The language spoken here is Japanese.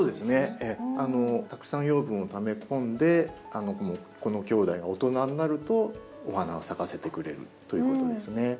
たくさん養分をため込んでこのきょうだいが大人になるとお花を咲かせてくれるということですね。